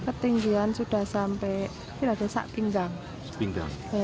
ketinggian sudah sampai tidak ada sakit enggak